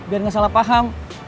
biar gak salah paham